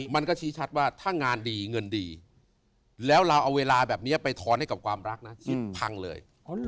มันก็ชี้ชัดว่าถ้างานดีเงินดีแล้วเราเอาเวลาแบบนี้ไปทอนให้กับความรักนะที่พังเลย